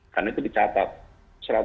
karena itu dicatat